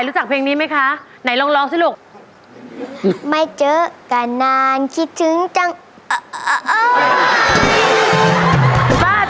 ยกที่๑นะครับเงินทุนสะสมมูลค่า๑หมื่นบาท